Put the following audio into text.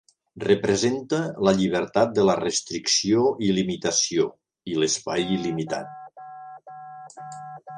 Representa la llibertat de la restricció i limitació, i l'espai il·limitat.